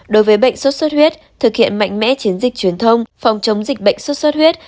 đối với bệnh sốt xuất huyết thực hiện mạnh mẽ chiến dịch truyền thông phòng chống dịch bệnh xuất xuất huyết